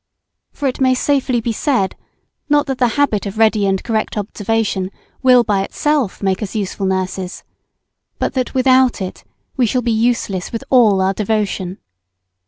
For it may safely be said, not that the habit of ready and correct observation will by itself make us useful nurses, but that without it we shall be useless with all our devotion.